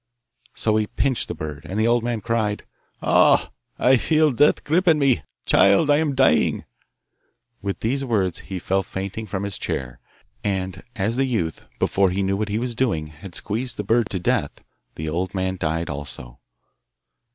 So he pinched the bird, and the old man cried, 'Ah! I feel death gripping me! Child, I am dying!' With these words he fell fainting from his chair, and as the youth, before he knew what he was doing, had squeezed the bird to death, the old man died also.